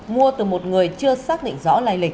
mua từ một người chưa xác định rõ lai lịch